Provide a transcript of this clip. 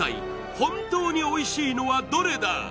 本当においしいのはどれだ！？